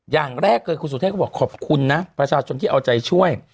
อย่างแรกเลยคุณสุเทพก็บอกขอบคุณนะประชาชนที่เอาใจช่วย